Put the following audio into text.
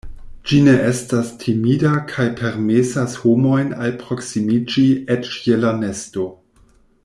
Ĝi ne estas timida kaj permesas homojn alproksimiĝi eĉ je la nesto.